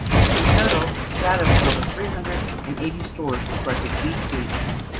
In total, data from over three-hundred and eighty stores are collected each week.